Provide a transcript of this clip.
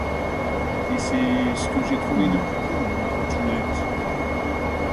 Té, c’est ce que j’ai trouvé de plus doux, ma pitchounette.